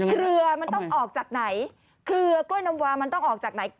เครือมันต้องออกจากไหนเครือกล้วยน้ำวามันต้องออกจากไหน